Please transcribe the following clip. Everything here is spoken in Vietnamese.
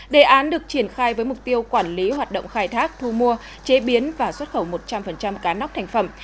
đề án được triển khai với mục tiêu quản lý hoạt động khai thác thu mua chế biến và xuất khẩu một trăm linh cá nóc thành phẩm